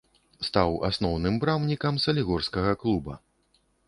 Стаў асноўным брамнікам салігорскага клуба.